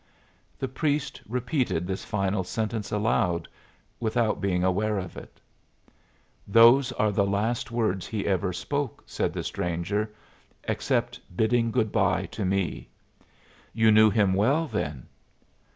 The priest repeated this final sentence aloud, without being aware of it. "Those are the last words he ever spoke," said the stranger, "except bidding good bye to me." "You knew him well, then?"